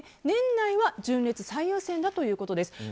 年内は純烈最優先だということです。